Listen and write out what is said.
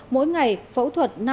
mỗi ngày phẫu thuật